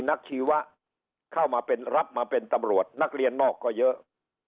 ชีวะเข้ามาเป็นรับมาเป็นตำรวจนักเรียนนอกก็เยอะ